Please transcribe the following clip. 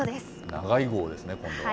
長井号ですね、今度は。